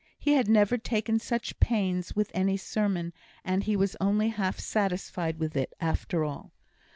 He had never taken such pains with any sermon, and he was only half satisfied with it after all.